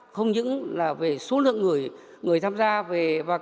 không những là số lượng người tham gia về